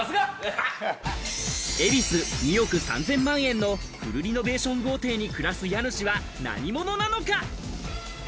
恵比寿２億３０００万円のフルリノベーション豪邸に暮らす家主は何者なのか？